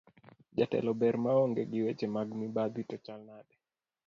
Jatelo ber maonge gi weche mag mibadhi to chal nade?